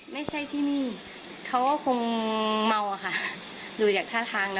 ไม่ใช่ที่นี่เขาก็คงเมาอะค่ะดูจากท่าทางนะ